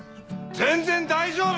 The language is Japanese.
全然大丈夫！